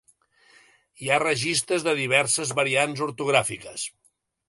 Hi ha registres de diverses variants ortogràfiques.